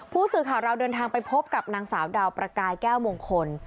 ผู้สื่อข่าวเราเดินทางไปพบกับนางสาวดาวประกายแก้วมงคล